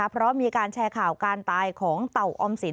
เพราะมีการแชร์ข่าวการตายของเต่าออมสิน